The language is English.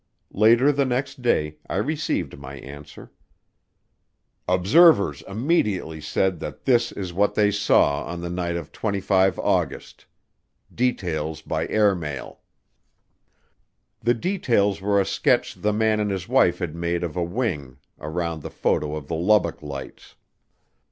Later the next day I received my answer: "Observers immediately said that this is what they saw on the night of 25 August. Details by airmail." The details were a sketch the man and his wife had made of a wing around the photo of the Lubbock Lights.